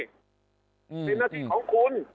สิ่งนาฬิกของคุณ